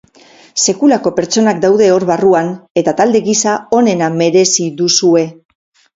Sekulako pertsonak daude hor barruan, eta talde gisa onena merezi duzue.